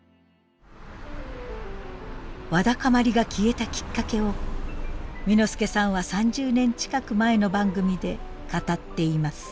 わだかまりが消えたきっかけを簑助さんは３０年近く前の番組で語っています。